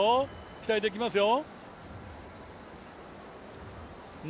期待できますよ。